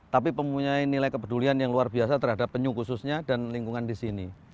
tapi mempunyai nilai kepedulian yang luar biasa terhadap penyu khususnya dan lingkungan di sini